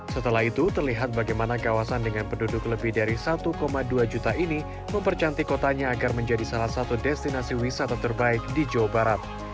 setelah itu terlihat bagaimana kawasan dengan penduduk lebih dari satu dua juta ini mempercantik kotanya agar menjadi salah satu destinasi wisata terbaik di jawa barat